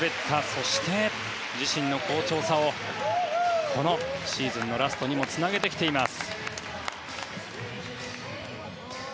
そして自身の好調さをこのシーズンラストにもつなげてきています。